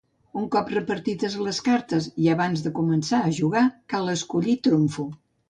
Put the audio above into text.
Un cop repartides les cartes i abans de començar a jugar, cal escollir trumfo.